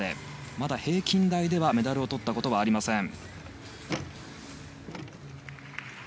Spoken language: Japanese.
まだ平均台では、メダルをとったことはありません。